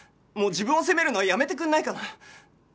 もう自分を責めるのはやめてくれないかな。